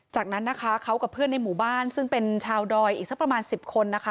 จากนั้นนะคะเขากับเพื่อนในหมู่บ้านซึ่งเป็นชาวดอยอีกสักประมาณ๑๐คนนะคะ